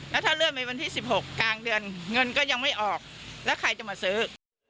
แล้วถ้าเลื่อนไปวันที่๑๖กลางเดือนเงินก็ยังไม่ออกแล้วใครจะมาซื้อ